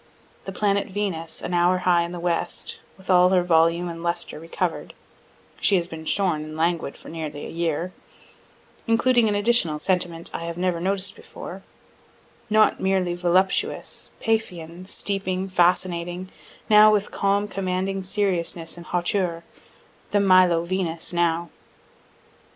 The planet Venus, an hour high in the west, with all her volume and lustre recover'd, (she has been shorn and languid for nearly a year,) including an additional sentiment I never noticed before not merely voluptuous, Paphian, steeping, fascinating now with calm commanding seriousness and hauteur the Milo Venus now.